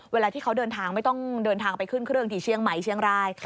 เวลาที่เขาเดินทางไม่ต้องเดินทางไปขึ้นเครื่องที่เชียงใหม่เชียงราย